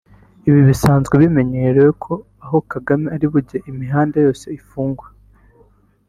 Ibi bisanzwe bimenyerewe ko aho Kagame ari bujye imihanda yose ifungwa